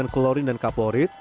ini relatif aman dari kubur